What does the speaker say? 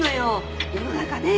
世の中ね